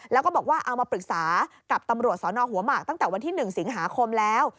แล้วก็บอกว่าเอามาปรึกษากับตำรวจสนหัวหมากตั้งแต่วันที่๑สิงหาคมแล้ว